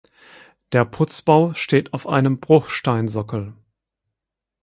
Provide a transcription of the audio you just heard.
Der Putzbau steht auf einem Bruchsteinsockel.